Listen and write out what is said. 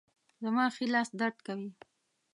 زما ښي لاس درد کوي